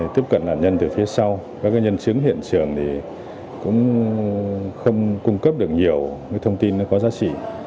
tiếp cận nạn nhân từ phía sau các nhân chứng hiện trường cũng không cung cấp được nhiều thông tin có giá trị